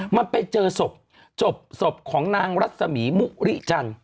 มันไปเจอศพจบศพของนางรัศมีมุริจันทร์